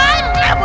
eh kita udah dapet